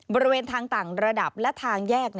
บริเวณทางต่างระดับและทางแยก